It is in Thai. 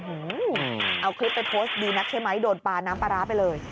เอาคลิปไปโพสต์ดีนักใช่ไหมโดนปลาน้ำปลาร้าไปเลย